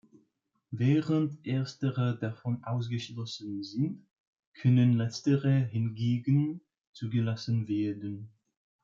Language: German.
Während erstere davon ausgeschlossen sind, können letztere hingegen zugelassen werden.